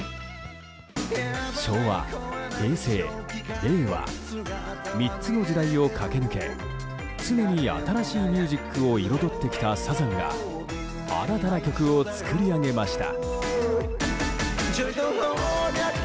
昭和、平成、令和３つの時代を駆け抜け常に新しいミュージックを彩ってきたサザンが新たな曲を作り上げました。